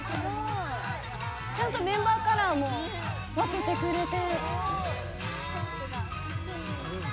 ちゃんとメンバーカラーも分けてくれて。